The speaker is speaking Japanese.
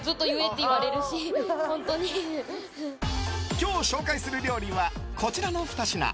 今日、紹介する料理はこちらの２品。